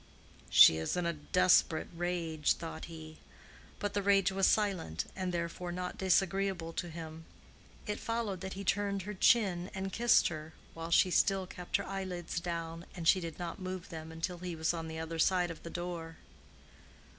"She is in a desperate rage," thought he. But the rage was silent, and therefore not disagreeable to him. It followed that he turned her chin and kissed her, while she still kept her eyelids down, and she did not move them until he was on the other side of the door.